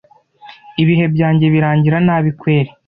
Ibihe byanjye birangira nabi kweri